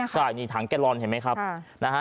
ใช่นี่ถังแก๊ลรอนเท่าไรนะครับ